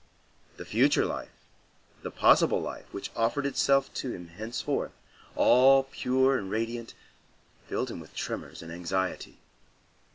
The future life, the possible life which offered itself to him henceforth, all pure and radiant, filled him with tremors and anxiety.